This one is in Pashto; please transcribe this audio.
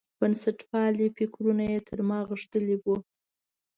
بنسټپالنې فکرونه یې تر ما غښتلي وو.